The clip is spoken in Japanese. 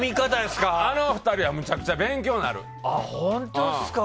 あの２人はむちゃくちゃ勉強になる。